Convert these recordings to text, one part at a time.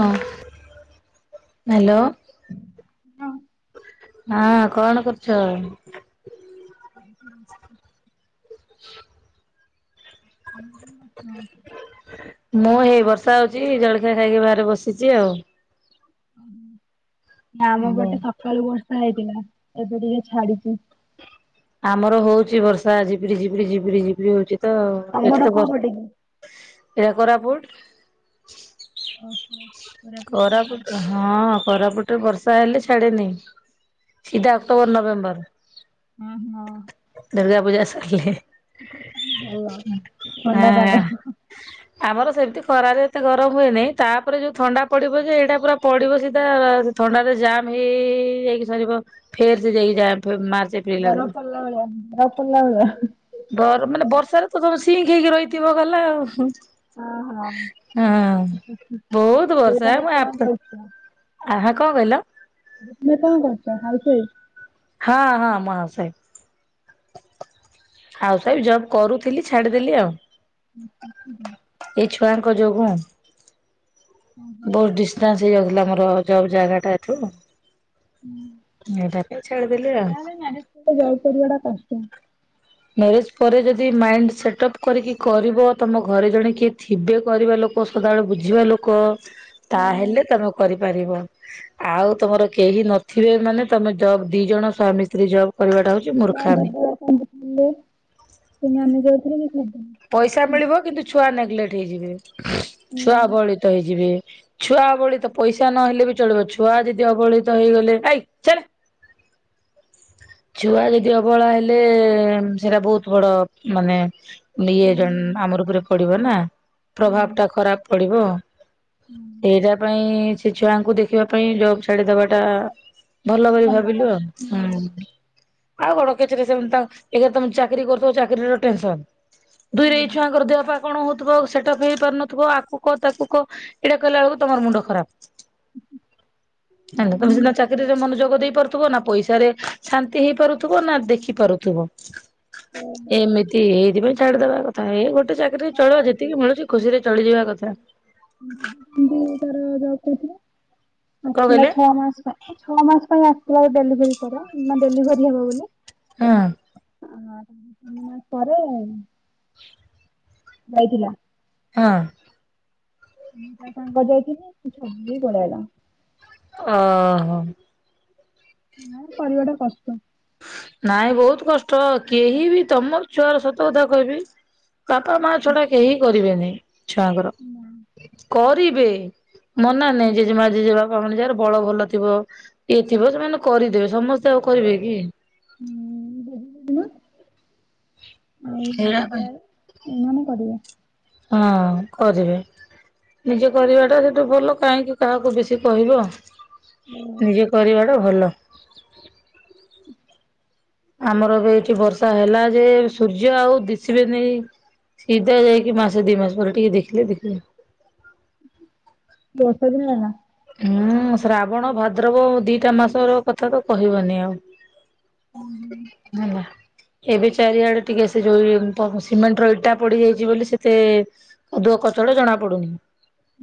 ହଁ ହାଲୋ। ହଁ। ହଁ କଣ କରୁଚ? ଏଇଠି ବସଚି। [unintelligible] ତମେ କଣ କରୁଚ? ମୁଁ ଏଇ ବର୍ଷା ହଉଚି ଜଳଖିଆ ଖାଇକି ବାହାରେ ବସିଚି ଆଉ। ଅମୁ ନା ଆମ ହ୍ୟାଲୋ। ପଟେ ସକାଳୁ ବର୍ଷା ହେଇଥିଲା ଏବେ ଟିକେ ଛାଡି଼ଛି। ଆମର ହଉଛି ବର୍ଷା ଝିପିରିି ଝିପିରିି ଝିପିରି ଝିପିରି ହଉଛି ତ ତମର ଏଠି ତ କୋଉ ବର୍ ପଟେ କି? ଏହା କୋରାପୁଟ। ଓହୋ। କୋରାପୁଟ [unintelligible] ହଁ କରାପୁଟରେ ବର୍ଷା ହେଲେ ଛାଡ଼େ ନି ସିଧା ଅକ୍ଟୋବର, ନଭେମ୍ବର। ଅଁ ହଁ। ଦୁର୍ଗା ପୂଜା ସରିଲେ ଭଲ ଥଣ୍ଡା ପାଗ ହାଁ। [inaudible] ଆମର ସେମିତି ଖରାରେ ଏତେ ଗରମ ହୁଏ ନାଇଁ ତାପରେ ଯୋଉ ଥଣ୍ଡା ପଡ଼ିବ ଯେ ହେଟା ପୁରା ପଡ଼ିବ ସିଧା ଥଣ୍ଡା ରେ ତ ଜାମ୍ ହେଇ ହେଇ ହେଇ ହେଇ ଯାଇକି ସରିବ ଫେର୍ ସେ ଯାଇକି ଯାମ୍ [unintelligible] ମାର୍ଚ ଏ ବରଫ୍ ପଡ଼ିଲା ଭଳିଆ ବରଫ ପଡ଼ିଲା ଭଳିଆ। ବର ମାନେ ବର୍ଷାରେ ତ ତମେ ସିଇଁକି ହେଇକି ରହିଥିବ ଗଲା ଆଉ। ଓହୋ ହଁ ବୋହୁତ ଏବେ ବର୍ଷା ତମେ ମୁଁ କଣ ଆଫେ କରୁଛ ଆହା କଣ କହିଲ? [unintelligible] ଦରକାର ହାଉସ ୱାଇଫ? ହଁ ହଁ ମହାଶୟ। ହାଉସ ୱାଇଫ ଜବ କରୁଥିଲି ଛାଡିଦେଲି ଆଉ। [inaudible] ଏଇ ଛୁଆଙ୍କ ଯୋଗୁଁ? ଓହୋ, ବୋହୁତ ଡିଷ୍ଟାନ୍ସ ହେଇଯାଉଥିଲା ଆମର ଜବ୍ ଜାଗା ଟା ଏଠୁ। ଏଇଟା ପାଇଁ ଛାଡ଼ିଦେଲି ଆଉ। ହଁ ତ ଜବ କରିବା ଟା କଷ୍ଟ। ମ୍ୟାରେଜ ପରେ ଯଦି ମାଇଣ୍ଡ ସେଟ୍ଅପ୍ କରିକି କରିବ ତମ ଘରେ ଜଣେ କିଏ ଥିବେ କରିବା ଲୋ କଁ ସଦାବେଳେ ବୁଝିବା ଲୋକ ଅ, ତାହେଲେ ତମେ କରିପାରିବ। ଆଉ ତମର କେହି ନଥିବେ ମାନେ ତମେ ଜବ୍ ଦି ଜଣ ସ୍ୱାମୀ ସ୍ତ୍ରୀ ଜବ୍ କରିବାଟା ହଉଛି ମୋ ମୂର୍ଖାମି। ଦିଦି ଅଛନ୍ତି ସ୍କୁଲ୍ ରେ ସେମାନେ ଯାଇଥିଲେ [unintelligible] ପଇସା ମିଳିବ କିନ୍ତୁ ଛୁଆ ନେଗଲେଟ୍ ହେଇଯିବେ ଛୁଆ କରିଦେଲେ। ଅବହେଳିତ ହେଇଯିବେ। ଛୁଆ ଅବହେଳିତ ପଇସା ନହେଲେ ବି ଚଳିବ ଛୁଆ ଯଦି ଅବହେଳିତ ହେଇଗଲେ ଏଇକ୍ ଚାଲେ। [inaudible] ଛୁଆ ଯଦି ଅବହେଳା ହେଲେ ଉମ୍ ସେଟା ବୋହୁତ ବଡ଼ ମାନେ ଇଏ ଜଣ୍ ଆମରି ଉପରେ ପଡ଼ିବ ନା ପ୍ରଭାବ ଟା ଖରାପ ପଡ଼ିବ। ହୁଁ ଏଇଟା ପାଇଁ ସେ ଛୁଆଙ୍କୁ ଦେଖିବା ପାଇଁ ଜବ ଛାଡିଦବାଟା ଭଲ ବୋଲି ଭାବିଲୁ ଆଉ ହୁଁ। ଆଉ କଣ କଚରେ ସେ ତ ଇଏ ତମେ ଚାକିରି କରୁଥିବ ଚାକିରି ର ଟେନସନ। ଦୁଇରେ ଏଇ ଛୁଆଙ୍କର ଦେହ ପା କଣ ହଉଥିବ ସେଟାପି ହେଇ ପାରୁନଥିବ ଆକୁ କ ତାକୁ କ ଏଇଟା କହି ଲା ବୁଳକୁ ତମର ମୁଣ୍ଡ ଖରାପ। ଜାଣିଲ ତମେ ସିନା ଚାକିରିରେ ମନୋଯୋଗ ଦେଇ ପାରୁଥିବ ନା ପଇସାରେ ଶାନ୍ତି ହେଇପାରୁଥିବ ନା ଦେଖି ପାରୁଥିବ। ଏମିତି ହେଇଥିପାଇଁ ଛାଡିଦବା କ ଥା ଏଇ ଗୋଟେ ଚାକିରିରେ ଚଳିବା ଯେତିକି ମିଳୁଛି ଖୁସିରେ ଚଳିଯିବା କଥା। ଦି ତାର ଯଵ କରୁଥିଲା କଣ ଆସିଲା କହିଲେ? ଛଅ ମାସ ପାଇଁ। ଛଅ ମାସ ପାଇଁ ଆସଥିଲା ଡେଲିଭରି ପରେ ଡେଲିଭରି ହବ ବୋଲି। ହଁ। ତିନି ମାସ ପରେ ଯାଇଥିଲା। ହଁ। ମୁଁ ଯା ତାଙ୍କ ଯାଇଥିଲି [unintelligible] ପଳେଇଲା ଅ ହଁ ନାଇ କରିବା ଟା କଷ୍ଟ। ନାଇଁ ବହୁତ କଷ୍ଟ କେହି ବି ତମ ଛୁଆର ସତ କଥା କହିବି ବାପା ମା ଛଡା କେହି କରିବେନି ଛୁଆଙ୍କର କରିବେ ମନା ନାଇଁ ଜେଜେମା ଜେଜେ ବାପା ମାନେ ଯାହାର ବଳ ଭଲ ଥିବ। ଇଏ ଥିବ ସେମାନେ କରିଦେବେ ସମସ୍ତେ ଆଉ କରିବେ କି ହୁଁ ବଦିନ ଆଉ ସେଇଟା ପାଇଁ ମଜା ଏ ମାନେ କରିବେ ହଁ କରିବେ ନିଜେ କରିବାଟା ସେଠୁ ଭଲ କାହିଁକି କାହାକୁ ବେଶି କହିବ ନିଜେ କରିବା ଟା ଭଲ ଆମର ଏ ଏଇଠି ବର୍ଷା ହେଲା ଯେ ସୂର୍ଯ୍ୟ ଆଉ ଦିଶିବେନି ସିଧା ଯାଇକି ମାସ ଦି ମାସ ପରେ ଟିକେ ଦେଖିଲେ ଦେଖିଲେ ଦୋଶ ଦିନ ହେନା ହୁଁ ଶ୍ରାବଣ ଭାଦ୍ରବ ଦିଟା ମାସ ର କଥା ତ କହିବନି ଆଉ ହୁଁ ନଲା ଏବେ ଚାରିଆଡେ ଟିକେ ସେ ଯୋଉ ସିମେଣ୍ଟ ର ଇଟା ପଡି ଯାଇଛି ବୋଲି ସେତେ ଆଧୁହ କଚଟ ଜଣା ପଡୁନି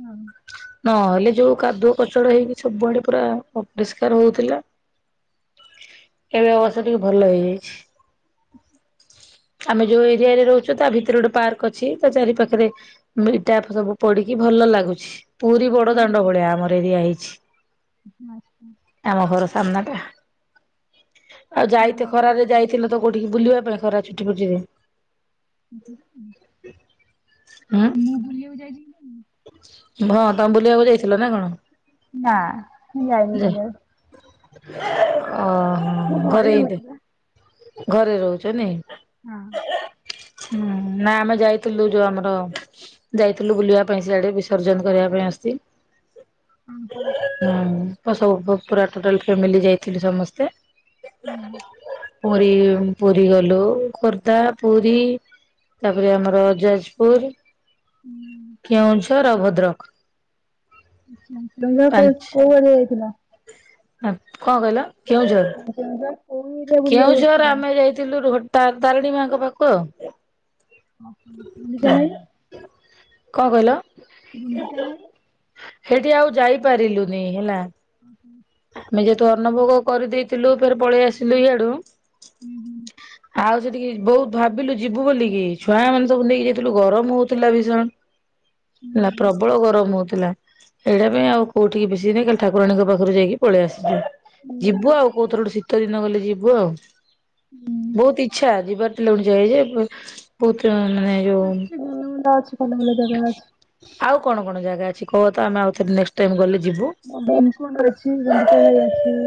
ହଁ ନ ହେଲେ ଜଉ କାଦୁଅ କଚଡ ହେଇକି ସବୁଆଡେ ପୁରା ଅପରିଷ୍କାର ହଉଥିଲା। ଏବେ ଅବସ୍ଥା ଟିକେ ଭଲ ହେଇଯାଇଛି ଆମେ ଯୋଉ ଏରିଆରେ ରହୁଛୁ ତା ଭିତରେ ଗୋଟେ ପାର୍କ ଅଛି ତା ଚାରି ପାଖରେ ଟା ସବୁ ପଡିକି ଭଲ ଲାଗୁଛି ପୁରୀ ହଁ ବଡ ଦାଣ୍ଡ ହୁଁ ଭଳିଆ ଆମର ଏରିଆ ହେଇଛି ଆଚ୍ଛା ଆମ ଘର ସାମ୍ନାଟା ଆଉ ଭଲ ଯାଇତ ଲାଗୁଥିବ ଖର ାରେ ଆଉ ଯାଇଥିଲ ତ କୋଉଠିକି ବୁଲିବା ପାଇଁ ଖରା ଛୁଟି ଫୁଟିରେ ମୁଁ ହୁଁ ବୁଲିବାକୁ ଯାଇଛି ନାଇଁ? ହଁ ତମେ ବୁଲିବାକୁ ଯାଇଥିଲ ନା କଣ ନା ଯାଇନି ବ ମୁଁ ଓୋ ଘରେ ରହୁଛି ଏ ବା। ଘରେ ରହୁଛ ନାଇ ହଁ ହୁଁ ନାାଇ ଆମେ ଯାଇଥିଲୁ ଯୋଉ ଆମର ଯାଇଥିଲୁ ବୁଲିବା ପାଇଁ ସିଆଡ଼େ ବିସର୍ଜନ କରିବା ପାଇଁ ଆସି ହୁଁ ହୁଁ ଉଁ ସବୁ ପୁରା ଟୋଟାଲ ଫାମିଲି ଯାଇଥିଲୁ ସମସ୍ତେ। ହଁ। ପୁରୀ ପୁରୀ ଗଲୁ ଖୋର୍ଦ୍ଧା ପୁରୀ। ତାପରେ ଆମର ଯାଜପୁର ହୁଁ। କେଉଁଝର ଆଉ ଭଦ୍ରକ। ଆଛା ତୁମର କୋ କୋଉ [unintelligible] ଯାଇଥିଲା? ଆପ କଣ କହିଲ କେଉଁଝର। କ [unintelligible] କେଉଁଝର ଆମେ ଯାଇଥିଲୁ ଘୋଟା ତାରିଣୀ ମାଙ୍କ ପାଖକୁ। ଯାଇ କଣ କହିଲ? ଗୁଣ୍ଡିଚା ଘାଇ ସେଠି ଆଉ ଯାଇପାରିଲୁନି ହେଲା। ହୁ ହୁଁ। ଆମେ ଯେହେତୁ ଅନୁଭୋଗ କରିଦେଇଥିଲୁ ଫେର ପଳେଇ ଆସିଲୁ ଇଆଡୁ। ହୁଁ ହୁଁ। ଆଉ ସେଠିକି ବହୁତ ଭାବିଲୁ ଯିବୁ ବୋଲିକି ଛୁଆ ମାନେ ସବୁ ନେଇକି ଯାଇଥିଲୁ ଗରମ ହଉଥିଲା ଭୀଷଣ ହେଲା ପ୍ରବଳ ଗରମ ହଉଥିଲା। ଏଇଟା ପାଇଁ ଆଉ କୋଉଠିକି ବେଶୀ ନାଇଁ ଖାଲି ଠାକୁରାଣିଙ୍କ ପାଖରୁ ଯାଇକି ପଳେଇ ଆସିଲୁ ହୁଁ ଯିବୁ ଆଉ କୋଉଥର ଶ ତ ଦିନ ଗଲେ ଯିବୁ ଆଉ। ହୁଁ। ବହୁତ ଇଚ୍ଛା ଯିବାର ଟେ [unintelligible] ଯେ ବହୁତ ମାନେ ଯୋଉ ଅଛି [unintelligible] ଅଛି ଭଲ ଭଲ ଜାଗା ଅଛି। ଆଉ କଣ କଣ ଜାଗା ଅଛି କହ ତ ଆମେ ଆଉଥରେ ନେଷ୍ଟ୍ ଟାଇମ ଗଲେ ଯିବୁ? [unintelligible] [unintelligible] ଅଛି। ଗୁଣ୍ଡିଚାଘାଇ ଅଛି।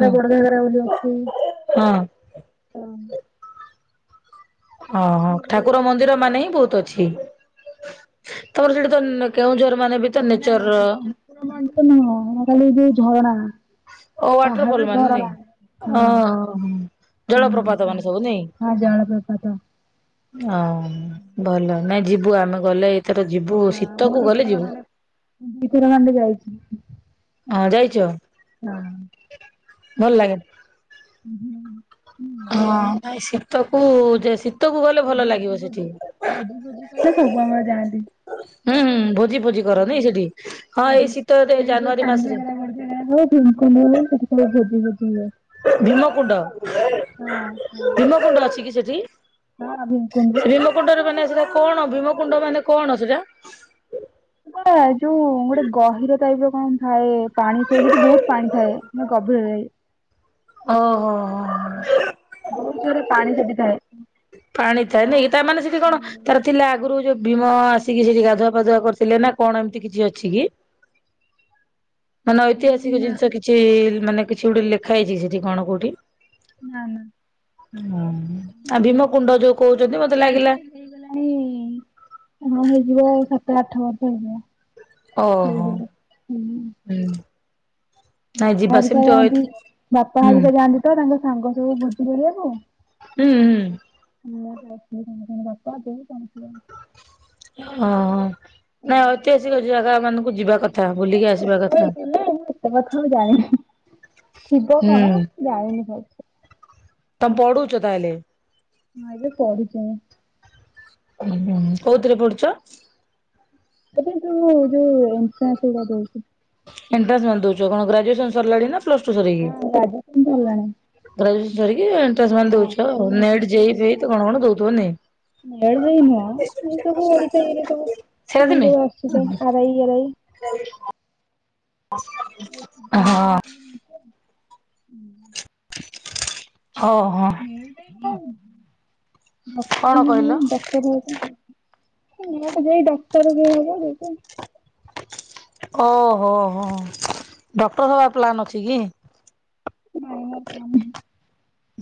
ହଁ ବଡଘାଗରା ବୋଲି ଅଛି। ହଁ। ଅଛି ଓହୋ। ଭଲ ଠାକୁର ଭଲ ମନ୍ଦିର ମାନେ ହିଁ ବହୁତ ଅଛି। ତମର ସେଠି ତ କେଉଁଝର ମାନେ ବେ ନା ନା ଠାକୁର ମନ୍ଦିର ନୁହଁ। ମୁଁ କହିଲି ଏ ଯଉ ଝରଣା। ଓ ପାହାଡ ୱାଟରଫଲ ମାନେ। ଝରଣା ହଁ ହଁ। ହଁ ଜଳପ୍ରପାତ ହଁ ମାନେ ସବୁ ନାଇଁ? ହଁ ଜଳପ୍ରପାତ ହଁ ଭଲ। ନାଇଁ ଯିବୁ ଆମେ ଗଲେ। ଏଥର ଯିବୁ। ଶୀତକୁ ଗଲେ ଯିବୁ। ଭିତରକନିକା ଯାଇଛି। ହଁ ଯାଇଛ। ହଁ। ଭଲ ଲାଗେ। ହୁଁ। ବଢିଆ ହଁ ଲାଗେନା ଭାଇ ଶୀତକୁ ଯେ ଶୀ ଏ ଭୋଜି ଫୋଜି ଭୋଜି ଫୋଜି କଲେ ସବୁ ଆମର ଯାଆନ୍ତି। ହୁଁ ହୁଁ ଭୋଜି ଫୋଜି କରନି ସେଠି ହଁ ସେ ଏଇ ଯଉ ଶୀତରେ ସେଇ ଯୋଉ ଜାନୁଆରୀ ମାସରେ ସାନଘାଗରା ବଡଘାଗରାରେ ଓ ଭିମକୁଣ୍ଡରେ ସେଠି ସବୁ ଭୋଜି ଭୋଜି ହୁଏ। ଭୀମକୁଣ୍ଡ। ହଁ ହଁ ଭୀମକୁଣ୍ଡ ଅଛି କି ସେଠି? ହଁ ଭୀମକୁଣ୍ଡବି କୁଣ୍ଡରେ ମାନେ ସେଇଟା କଣ? ଭୀମକୁୁଣ୍ଡ ମାନେ କଣ ସେଇଟା? କ ଯୋଉ ଗୋଟେ ଗହିର ଟାଇପର କଣ ଥାଏ। ପାଣିସୁଅ ସେଠି ବହୁତ ପାଣି ଥାଏ। ମନେ ଗଭୀରରେ। ଓହୋ ହୋ। ବହୁତ ଜୋରରେ ପାଣି ସେଠି ଥାଏ। ପାଣି ଥାଏ ନାଇକି। ତା ମାନେ ସେଠି କଣ ତାର ଥିଲା ଆଗରୁ ଯୋଉ ଭୀମ ଆସିକି ସେଠି ଗାଧୁଆ ପାାଧୁଆ କରିଥିଲେ ନା କଣ ଏମିତି କିଛି ଅଛି କି? ମାନେ ଐତିହାସିକ ନା ଜିନିଷ କିଛି ମାନେ କିଛି ଗୋଟେ ଲେଖା ହେଇଛି କି ସେଠି କଣ କୋଉଠି? ନା ନା ହଁ ଆଉ ଭୀମକୁୁଣ୍ଡ ଯୋଉ କହୁଛନ୍ତି, ଯେବେ ମୁଁ ମତେ ଲାଗିଲା ଯାଇଥିଲି ହେଇଗଲାଣି, ହଁ ହେଇଯିବ ସାତ ଆଠ ବର୍ଷ ହେଇଯିବ। ଓହୋ। ହୁଁ। ହୁଁ ହୁଁ। ନାଇଁ ବାପା ଯିବା ହେରିକା ସେମିତି ଅଇଥ ଯାଆନ୍ତି। ବାପା ହୁଁ ହେରିକା ଯାଆନ୍ତି ତ ତାଙ୍କ ସାଙ୍ଗ ସବୁ ଭୋଜି କରିଆକୁ ହୁଁ ହୁଁ। ମୁଁ ଯାଏ ତାଙ୍କ ସାଙ୍ଗରେ ବାପା, ବୋଉ ସମସ୍ତେ ଯାଆନ୍ତି। ଓହୋ। ନାଇଁ ଐତିହାସିକ ଜାଗାମାନଙ୍କୁ ଯିବା କ ଛୋଟ ହେଇଥିଲା, ମୁଁ ଏତେ କଥା ଆଉ ଜାଣିନି। ଥିବ ହୁଁ କଣ ଜାଣିନି ଭଲସେ। ତମେ ପଢୁଛ ତାହେଲେ? ହଁ ଏବେ ପଢୁଛି ମୁଁ। ହୁଁ ହୁଁ। କୋଉଥିରେ ପଢ଼ୁଛ? ଏବେ ଯୋଉ ଯୋଉ ଏଣ୍ଟ୍ରାନ୍ସ ହେରିକା ଦଉଚି। ଏଣ୍ଟ୍ରାନ୍ସ ମାନ ଦଉଛ। କଣ ଗ୍ରାଜୁଏସନ ସରିଲାଣି ନା ପ୍ଲସ ଟୁ ସାରିକି? ହଁ, ଗ୍ରାଜୁଏସନ ସରିଲାଣି। ଗ୍ରାଜୁଏସନ ସରିକି ଏଣ୍ଟ୍ରାନ୍ସ ମାନେ ହଁ ଦଉଛ ଆଉ। ସବୁ ନେଟ୍ ଏଣ୍ଟ୍ରାନ୍ସ ଯେ ଇ ଫେଇ ତ କଣ କଣ ଦଉଥିବ ନୁହେଁ? ନେଟ୍ ଜେ ଇ ନୁହଁ, ଏଇ ସବୁ ଓଡିଶା ଇଏରେ ସବୁ ସେଇଆ ତ ଆମର ନୁହେଁ ଯୋଉ ଆସିଷ୍ଟାଣ୍ଟ ଆର ଆଇ ଆରାଇ ହଁ। ହୁଁ। ହଉ ହଁ। [unintelligible] ଡକ୍ଟର କଣ କହିଲ ହେଇଥାନ୍ତି ଆଉ। ନେଟ ଦେଇ ଡକ୍ଟର ହେଇହେବ ଯେ ଓହୋ ହୋ। ଡକ୍ଟର ହବା ପ୍ଲାନ୍ ଅଛି କି? [unintelligible]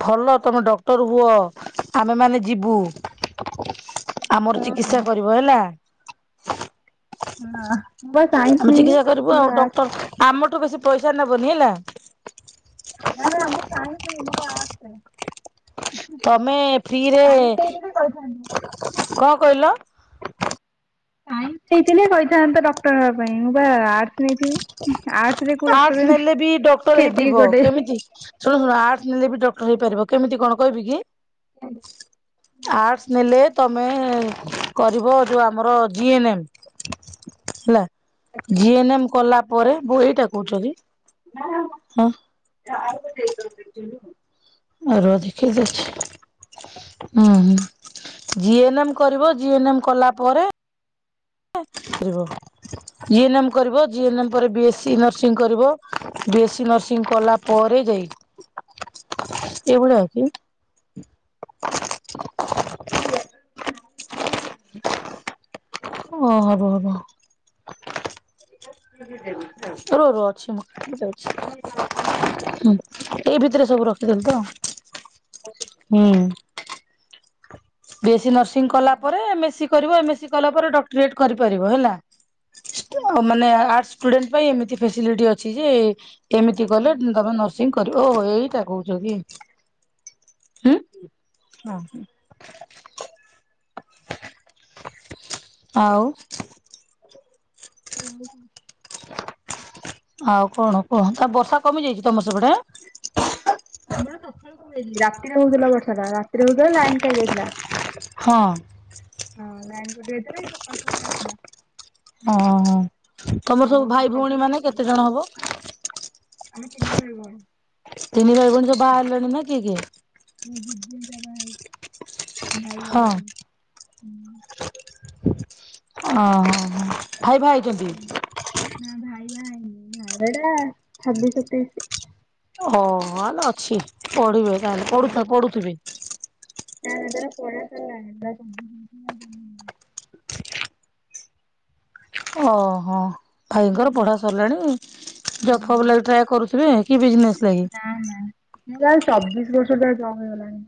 ଭଲ ତମେ ଡକ୍ଟର ହୁଅ, ଆମେମାନେ ଯିବୁ। ଆମର ଚିକିତ୍ସା ହଁ କରିବ ହେଲା? ହଁ। ଆମେ ଚିକିତ୍ସା କରିବୁ ଆଉ ଡକ୍ଟର ଆମଠୁ ବେଶୀ ପଇସା ନେବନି ହେଲା? ନାଁ ନାଁ ମୁଁ ସାଇନ୍ସ ନାଇଁ ମୋର ଆର୍ଟ୍ସରେ। ତମେ ଫ୍ରିରେ, ସାଇନ୍ସ ନେଇଥିଲେ କହିଥାନ୍ତି କଣ କହିଲ? ସାଇନ୍ସ ନେଇଥିଲେ କହିଥାନ୍ତ ଡକ୍ଟର ହବା ପାଇଁ, ମୁଁ ବା ଆର୍ଟ୍ସ ନେଇଥିନି। ଆର୍ଟ୍ସ ନେଲେ ବି ଡକ୍ଟର ଖେଦି ହେଇପାରିବ। ଗୋଟେ କେମିତି? ଶୁଣ ଶୁଣ ଆର୍ଟ୍ସ ନେଲେ ବି ଡକ୍ଟର ହେଇପାରିବ। କେମିତି କଣ କହିବି କି? ଆର୍ଟ୍ସ ନେଲେ ତମେ କରିବ ଯୋଉ ଆମର ଜି ଏନ ଏମ। ଶୁଆ, ଜି ଏନ ଏମ୍ କଲା ପରେ, ବହିଟା କୋଉଠି ଅଛି? ହଁ। ଆର ଅଧିକ ଯେ ଅଛି। ହୁଁ ହୁଁ। ଜି ଏନ ଏମ୍ କରିବ, ଜି ଏନ ଏମ୍ କଲାପରେ ଟିକେ ରୁହ, ଜି ଏନ୍ ଏମ୍ କରିବ, ଜି ଏନ୍ ଏମ୍ ପରେ ବି ଏସସି ନର୍ସିଂ କରିବ ବି ଏସସି ନର୍ସିଂ କଲା ପରେ ଯାଇ, ଏଇଭଳିଆ ଅଛି ଓ ହବ ହବ। ରୁଅ ରୁହ ଅଛି ମୁଁ ଯାଉଛି ହୁଁ। ଏଇ ଭିତରେ ସବୁ ରଖିଦେଲ ତ ହୁଁ। ବି ଏସସି ନର୍ସିଂ କଲାପରେ ହ୍ୟାଲୋ ଏମ ଏସସି କରିବ, ଏମ ଏସସି କଲାପରେ ଡକ୍ଟରିଏଟ କରିପାରିବ ହେଲା। ମାନେ ଆର୍ଟ୍ସ ଷ୍ଟୁଡେଣ୍ଟ ପାଇଁ ଏମିତି ଫ୍ୟାସିଲିଟି ଅଛି ଯେ ଏମିତି କଲେ ତମେ ନର୍ସିଂ କରିବ, ଓହୋ ଏଇଟା କହୁଛ କି? ହୁଁ ହଁ। ଆଉ ହଁ ଆଉ ଆଉ କଣ କୁହ ତା ବର୍ଷା କମି ଯାଇଛି ତମର ସେପଟେ? ଆମ [unintelligible] ରାତିରେ ହଉଥିଲା ବର୍ଷାଟା ରାତିରେ ହଉଥିଲା ଲାଇନ୍ ଖାଇ ଯାଇଥିଲା। ହଁ କଟିଯାଇଥିଲା ଏଇ ସକାଳୁ ସକାଳୁ ଆସିଲା। ଓଃ ତମର ଆଉ ସବୁ ଭାଇ ଭଉଣୀ ମାନେ କେତେ ଜଣ ହବ? ଆମେ ତିନିି ଭାଇ ଭଉଣୀ। ତିନି ଭାଇଭଉଣୀ ସବୁ ବାହାହେଲଣି ନା କିଏ କିଏ? ମୋ ଦିଦି ଏକା ବହାହେଇଛି ଭାଇ ବହାହେଇନି। ଓ ହଁ ହଁ ଭାଇ ବାହାହେଇଛନ୍ତି? ନା ଭାଇ ବାହାହେଇନି ଭାଇବା [unintelligible] ଟା ଛବିଶତେଇଶ ଓ ହାଲେ ଅଛି ପଢିବେ ତାହାଲେ ପଢୁ ଛ ପଢୁଥିବେ ତାଜର ପଢା ସାରିଲ [unintelligible] ଓହୋ ଭାଇଙ୍କର ପଢା ସରିଲାଣି ନା ଜବ ଫବ୍ ଲାଗି ଟ୍ରାଏ କରୁଥିବେ? କି ବିଯିନେସ ଲାଗି? ନା ନା ମୁଁ ଲଗୁଛି ଚବିଶ ବର୍ଷ ତାର ଜବ ହେଇଗଲଣି।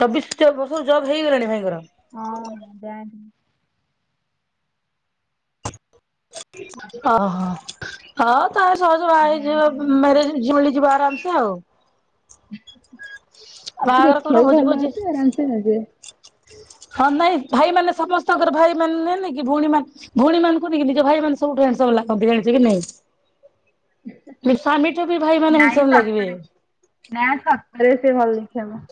ଚବିଶ ବର୍ଷ ଜବ୍ ହେଇଗଲାଣି ଭାଇଙ୍କର? ହଁ ବ୍ୟାଙ୍କ ଓହୋ ହଁ। ତା ସହଜ ବାହା ବ୍ୟାଙ୍କରେ ହେଇଯିବ ଜବ ମ୍ୟାରେଜ କରୁଛି। ଝିଅ ମିଳିଯିବେ ଆରାମସେ ଆଉ। ଏଇ ବାହାଘର କର ଦେଖିବାକୁ ଭୋଜି ଭଲ ଫୋଜି ଅଛି ଆରାମସେ ନେବେ ହଁ ନାଇଁ ଭାଇମାନେ ସମସ୍ତଙ୍କର ଭାଇ ମାନିଲେନେ କି ଭଉଣୀ ମାନ ଭଉଣୀ ମାନଙ୍କୁ ହିଁ ନିଜ ଭାଇ ମାନେ ସବୁଠୁ ହ୍ୟାଣ୍ଡସମ୍ ଲାଗନ୍ତି ଜାଣିଛ କି ନାଇଁ? ମି ସ୍ୱାମୀଠୁ ବି ଭାଇମାନେ ହେଣ୍ଡସମ୍ ଲାଗିବେ। ନାଁ ସତରେ ସେ ଭଲ ଦେଖିବାକୁ।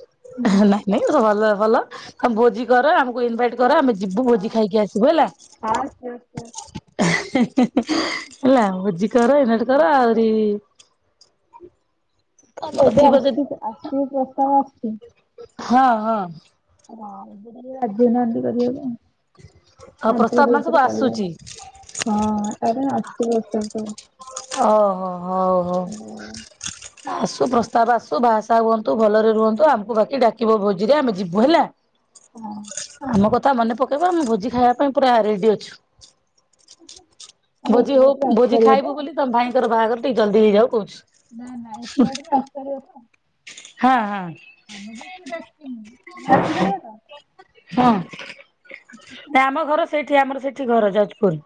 ନାଇଁ ନାଇଁ ତ ଭଲ ଭଲ ତମେ ଭୋଜି କର ଆମକୁ ଇନଭାଇଟ କର ଆମେ ଜି୍ ଯିବୁ ଭୋଜି ହଁ ଖାଇକି ଆସିବୁ ହେଲା। ହଁ। Sure sure. ହେଲା ଭୋଜି କର ଇନ୍ଭାଇଟ କର ଆହୁରି ତମର ଏବେ ଥିବ ଯଦି ଆସୁଚି ଆସୁଚି ବି ପ୍ରସ୍ତାବ ଆସୁଛି। ହଁ ହଁ। ହଁ ଏବେ ଟିକେ ରାଜିହଉନାହାନ୍ତି କରାଇବାକୁ ଆଉ ଆଉ ପ୍ରସ୍ତାବ ଦି ମାନେ ବର୍ଷ ସବୁ ରେ କରିବେ। ଆସୁଛି ହଁ ଆରେ ଆସିବେ [unintelligible] ତୁ। ଓହୋ ହୋ ହଉ ହଁ ହଉ। ଆସୁ ପ୍ରସ୍ତାବ ଆସୁ ବାହା ସାହା ହୁଅନ୍ତୁ। ଭଲରେ ରୁହନ୍ତୁ ଆମକୁ ବାକି ଡାକିବ ଭୋଜିରେ ଆମେ ଯିବୁ ହେଲା। ଆଉ ଆମ କଥା ମନେ ପକେଇବ ଆମ ଭୋଜି ଖାଇବା ପାଇଁ ପୁରା ରେଡି ଅଛୁ। ଭୋଜି ଏତେ ହଉ ବାଟରୁ ଭୋଜି ଆସିପାରିବ ଖାଇବୁ ତ? ବୋଲି ତମ ଭାଇଙ୍କର ବାହାଘର ଟିକେ ଜଲଦି ହେଇଯାଉ କହୁଚୁ। ନା ନା ଏତେ ବାଟ ତ ଆସିପାରିବ ତ? ହଁ ହଁ। ଆମେ ବି ଡାକିନୀ ହଁ ନା ଆମ ଘର ସେ ସେଠି ଆମର ସେଠି ଘର ଯାଜପୁର।